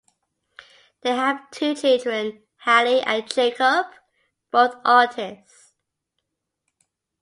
They have two children: Hallie and Jacob, both artists.